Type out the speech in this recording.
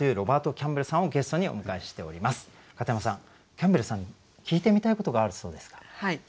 キャンベルさんに聞いてみたいことがあるそうですが。